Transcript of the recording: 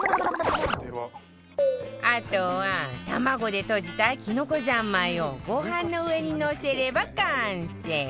あとは卵でとじたきのこ三昧をご飯の上にのせれば完成